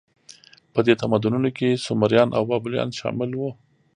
په دې تمدنونو کې سومریان او بابلیان شامل وو.